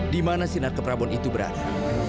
dimana sinar keperabuan itu berada